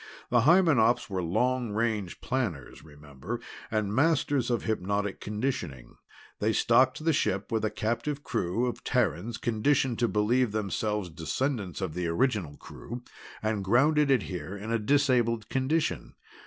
"The Hymenops were long range planners, remember, and masters of hypnotic conditioning. They stocked the ship with a captive crew of Terrans conditioned to believe themselves descendants of the original crew, and grounded it here in disabled condition.